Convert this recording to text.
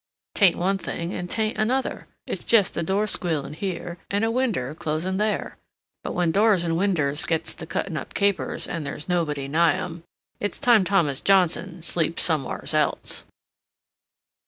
'Tain't one thing an' 'tain't another—it's jest a door squealin' here, an' a winder closin' there, but when doors an' winders gets to cuttin' up capers and there's nobody nigh 'em, it's time Thomas Johnson sleeps somewhar's else."